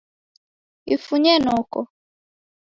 Ifunye noko